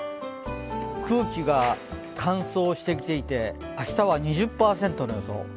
空気が乾燥してきていて明日は２０％の予想。